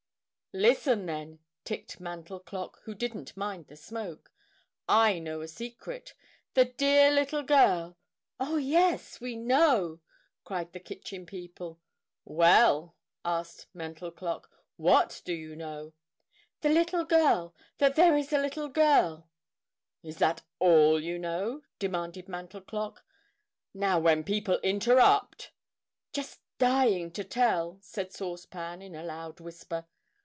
"Listen, then," ticked Mantel Clock, who didn't mind the smoke. "I know a secret: the dear little girl " "Oh, yes, we know!" cried the Kitchen People. "Well!" asked Mantel Clock, "what do you know?" "The little girl that there is a little girl " "Is that all you know?" demanded Mantel Clock. "Now, when people interrupt " "Just dying to tell," said Sauce Pan in a loud whisper.